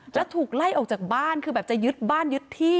แล้วถูกไล่ออกจากบ้านคือแบบจะยึดบ้านยึดที่